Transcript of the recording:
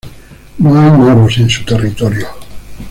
No hay moros en su territorio.